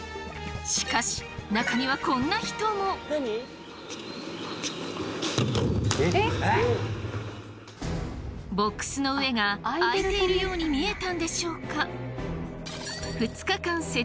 しかし中にはボックスの上が開いているように見えたんでしょうか？